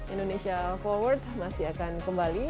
indonesia forward masih akan kembali